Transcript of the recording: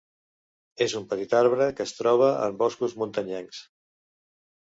És un petit arbre que es troba en boscos muntanyencs.